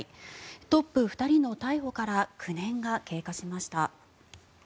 トップ２人の逮捕から９年が経過しました。